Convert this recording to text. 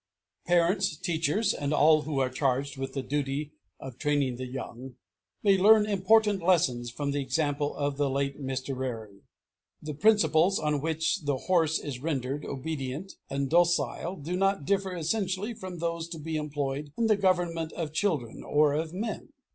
Parents, teachers, and all who are charged with the duty of training the young, may learn important lessons from the example of the late Mr. Rarey. The principles on which the horse is rendered obedient and docile do not differ essentially from those to be employed in the government of children or of men.